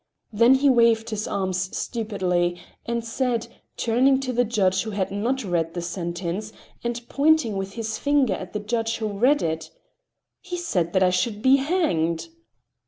Then he waved his arms stupidly and said, turning to the judge who had not read the sentence, and pointing with his finger at the judge who read it: "He said that I should be hanged."